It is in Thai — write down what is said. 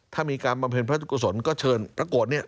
ถ้ามีการบำเพ็ญพระราชกุศลก็เชิญพระโกรธเนี่ย